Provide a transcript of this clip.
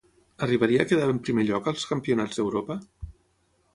Arribaria a quedar en primer lloc als Campionats d'Europa?